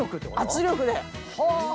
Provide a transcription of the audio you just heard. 圧力で。